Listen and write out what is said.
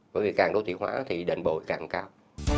bởi vì càng đô thị hóa thì đền bộ càng cao